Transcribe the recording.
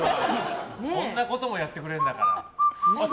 こんなこともやってくれるんだから。